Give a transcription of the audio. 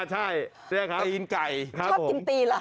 ใช่ครับชอบกินตีล่ะ